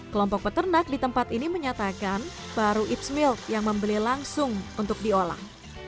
kelompok peternak di tempat ini menyatakan baru h milk yang membeli langsung untuk diolah